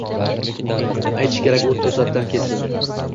Aytish kerak u to‘dadan kestin